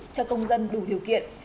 cho công dân đủ điều kiện